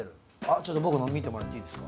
ちょっと僕の見てもらっていいですか？